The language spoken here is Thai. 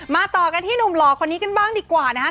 ต่อกันที่หนุ่มหล่อคนนี้กันบ้างดีกว่านะฮะ